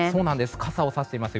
傘をさしています。